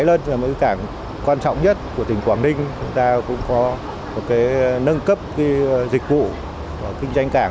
cái lớn là một cái cảng quan trọng nhất của tỉnh quảng ninh chúng ta cũng có một cái nâng cấp cái dịch vụ và kinh doanh cảng